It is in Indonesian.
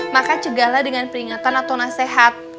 maka cegahlah dengan peringatan atau nasihat